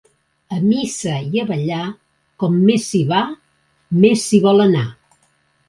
A missa i a ballar, com més s'hi va, més s'hi vol anar.